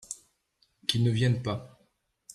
Qu'il ne vienne pas.